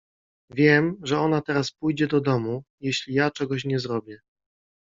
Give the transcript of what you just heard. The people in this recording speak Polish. Wiem, że ona teraz pójdzie do domu, jeśli ja czegoś nie zrobię.